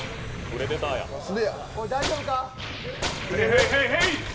大丈夫か。